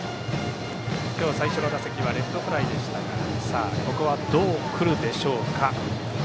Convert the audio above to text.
今日最初の打席はレフトフライでしたがここはどうくるでしょうか。